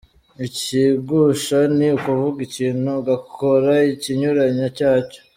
Ikigusha ni ukuvuga ikintu ugakora ikinyuranyo cyacyo.